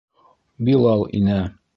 Билал инә.